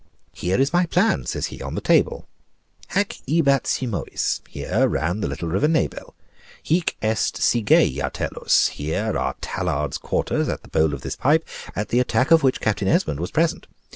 "Here is the plan," says he, "on the table: hac ibat Simois, here ran the little river Nebel: hic est Sigeia tellus, here are Tallard's quarters, at the bowl of this pipe, at the attack of which Captain Esmond was present.